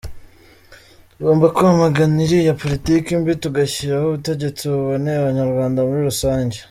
Tugomba kwamagana iriya politiki mbi tugashyiraho ubutegetsi buboneye Abanyarwanda muri rusange.